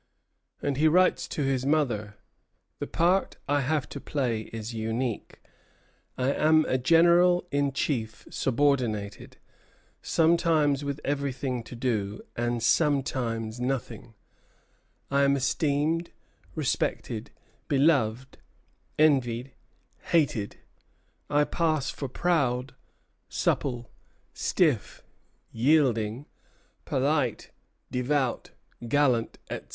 And he writes to his mother: "The part I have to play is unique: I am a general in chief subordinated; sometimes with everything to do, and sometimes nothing; I am esteemed, respected, beloved, envied, hated; I pass for proud, supple, stiff, yielding, polite, devout, gallant, etc.